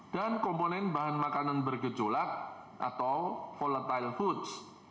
dan komponen bahan makanan bergejolak atau volatile foods